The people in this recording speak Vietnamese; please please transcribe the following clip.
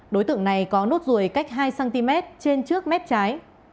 đối tượng này có nốt ruồi cách hai cm trên trước mép trái